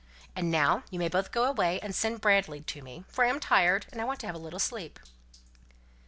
And now you may both go away, and send Bradley to me, for I'm tired, and want to have a little sleep."